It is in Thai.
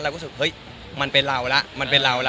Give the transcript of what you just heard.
เราก็รู้สึกว่าเฮ้ยมันเป็นเราล่ะมันเป็นเราล่ะ